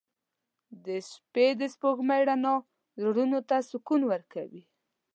• د شپې د سپوږمۍ رڼا زړونو ته سکون ورکوي.